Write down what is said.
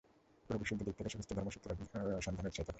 পুরো বিশুদ্ধ দিক থেকে, খ্রিস্ট ধর্ম সত্যের সন্ধানে উৎসাহিত করে।